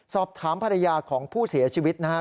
สอบถามภรรยาของผู้เสียชีวิตนะครับ